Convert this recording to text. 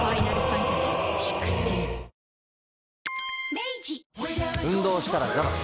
明治運動したらザバス。